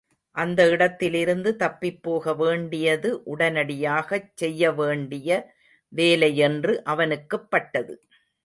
அந்த இடத்திலிருந்து தப்பிப் போகவேண்டியது உடனடியாகச் செய்ய வேண்டிய வேலையென்று அவனுக்குப் பட்டது.